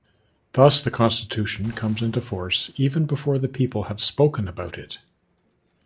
Thus the constitution comes into force even before the people have spoken about it.